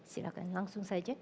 silahkan langsung saja